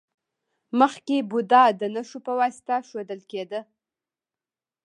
مخکې بودا د نښو په واسطه ښودل کیده